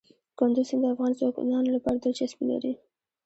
کندز سیند د افغان ځوانانو لپاره دلچسپي لري.